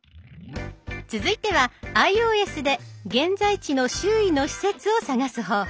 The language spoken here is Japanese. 続いてはｉＯＳで現在地の周囲の施設を探す方法。